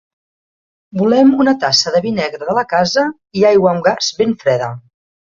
Volem una tassa de vi negre de la casa, i aigua amb gas ben freda.